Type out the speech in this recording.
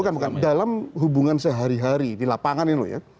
bukan bukan dalam hubungan sehari hari di lapangan ini loh ya